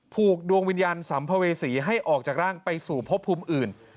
ผูกดวงวิญญาณสัมภเวษีให้ออกจากร่างไปสู่พบภูมิอื่น